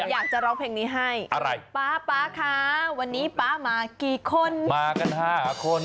อยากจะร้องเพลงนี้ให้อะไรป๊าป๊าคะวันนี้ป๊ามากี่คนมากัน๕คน